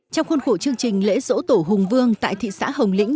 trong khuôn khổ chương trình lễ dỗ tổ hùng vương tại thị xã hồng lĩnh